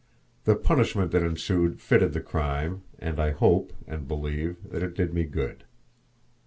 The punishment that ensued fitted the crime, and I hope and believe that it did me good.